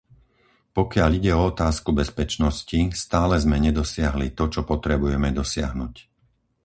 Pokiaľ ide o otázku bezpečnosti, stále sme nedosiahli to, čo potrebujeme dosiahnuť.